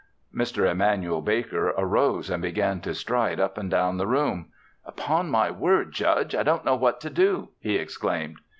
Mr. Emanuel Baker arose and began to stride up and down the room. "Upon my word, Judge! I don't know what to do," he exclaimed.